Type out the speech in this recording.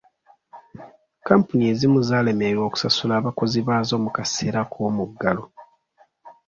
Kampuni ezimu zaalemererwa okusasula abakozi baazo mu kaseera k'omuggalo.